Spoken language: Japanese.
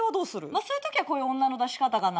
まあそういうときはこういう女の出し方かな。